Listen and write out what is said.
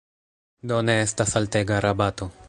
Do ne estas altega rabato.